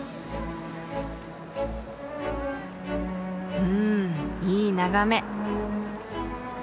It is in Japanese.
うんいい眺め。